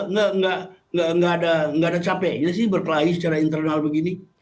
nggak ada capeknya sih berkelahi secara internal begini